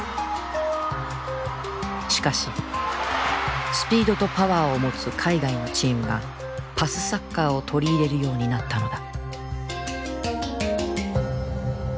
しかしスピードとパワーを持つ海外のチームがパスサッカーを取り入れるようになったのだ。